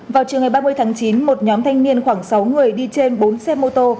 vào trường ngày ba mươi tháng chín một nhóm thanh niên khoảng sáu người đi trên bốn xe mô tô